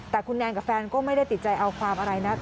แต่คุณแนนกับแฟนก็ไม่ได้ติดใจเอาความอะไรนะ